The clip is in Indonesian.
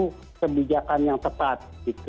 itu kebijakan yang tepat